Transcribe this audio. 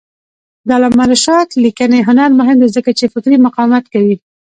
د علامه رشاد لیکنی هنر مهم دی ځکه چې فکري مقاومت کوي.